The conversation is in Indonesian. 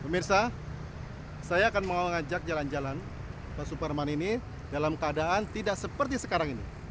pemirsa saya akan mengajak jalan jalan ke superman ini dalam keadaan tidak seperti sekarang ini